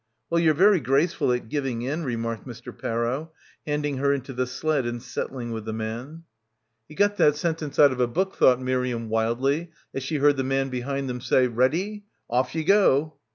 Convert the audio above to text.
"Well, you're very graceful at giving in," re marked Mr. Parrow, handing her into the sled and settling with the man. He got that sentence out of a book, thought — 259 — PILGRIMAGE Miriam wildly as she heard the man behind them say "Ready? Off you go!"